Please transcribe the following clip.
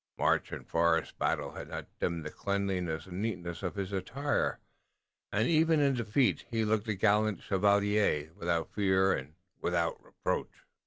March and forest battle had not dimmed the cleanliness and neatness of his attire, and, even in defeat, he looked the gallant chevalier, without fear and without reproach.